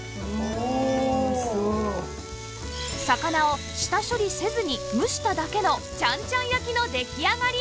魚を下処理せずに蒸しただけのちゃんちゃん焼きの出来上がり！